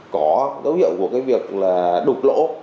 có dấu hiệu của cái việc là đục lỗ